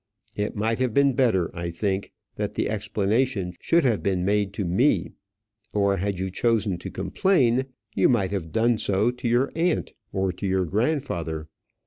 It might have been better, I think, that the explanation should have been made to me; or had you chosen to complain, you might have done so to your aunt, or to your grandfather.